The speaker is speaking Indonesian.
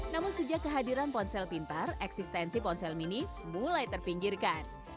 namun sejak kehadiran ponsel pintar eksistensi ponsel mini mulai terpinggirkan